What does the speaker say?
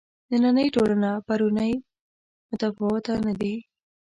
نننۍ ټولنه پرونۍ متفاوته نه دي.